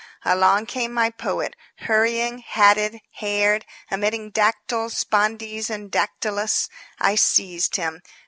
Along came my poet, hurrying, hatted, haired, emitting dactyls, spondees and dactylis. I seized him.